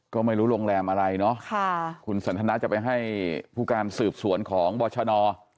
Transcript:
ก็ไม่รู้โรงแรมอะไรเนาะคุณสันทนาจะไปให้ผู้การสืบสวนของบอชน